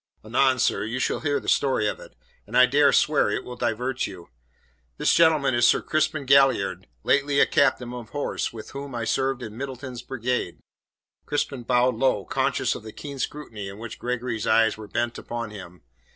Anon, sir, you shall hear the story of it, and I dare swear it will divert you. This gentleman is Sir Crispin Galliard, lately a captain of horse with whom I served in Middleton's Brigade." Crispin bowed low, conscious of the keen scrutiny in which Gregory's eyes were bent upon him.